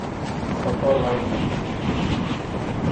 Papa liked them!